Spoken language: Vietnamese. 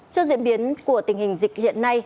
trước diễn biến của tình hình dịch hiện nay